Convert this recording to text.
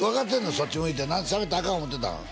そっち向いてしゃべったらアカン思うてたん？